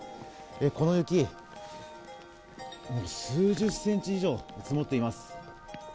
この雪、数十センチ以上積もっています。